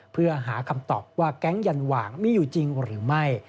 เพื่อหาคำตอบว่าแก๊งยันหว่างมีอยู่จริงหรือไม่